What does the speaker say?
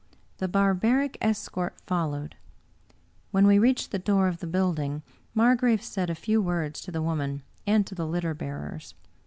The barbaric escort followed. When we reached the door of the building, Margrave said a few words to the woman and to the litter bearers.